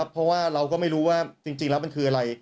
เพราะว่าเราก็ไม่รู้ว่าจริงแล้วมันคืออะไร